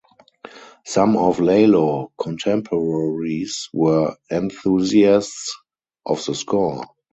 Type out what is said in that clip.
Some of Lalo contemporaries were enthusiasts of the score.